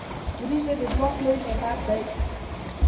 وريجي د خوراک لوی نعمت دی.